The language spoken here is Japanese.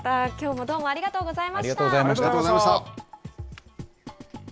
親方、きょうもありがとうございました。